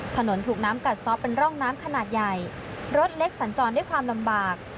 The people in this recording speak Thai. ถนนถูกน้ำกัดซ้อเป็นร่องน้ำขนาดใหญ่รถเล็กสัญจรด้วยความลำบาก